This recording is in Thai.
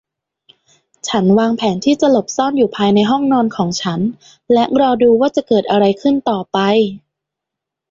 ฉันวางแผนที่จะหลบซ่อนอยู่ภายในห้องนอนของฉันและรอดูว่าจะเกิดอะไรขึ้นต่อไป